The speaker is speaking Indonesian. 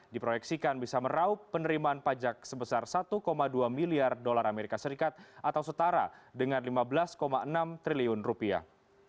diproyeksikan bisa meraup penerimaan pajak sebesar satu dua miliar dolar amerika serikat atau setara dengan lima belas enam triliun rupiah